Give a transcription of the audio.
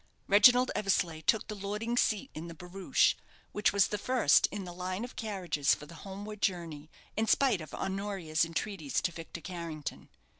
Reginald Eversleigh took the lordling's seat in the barouche, which was the first in the line of carriages for the homeward journey, in spite of Honoria's entreaties to Victor Carrington.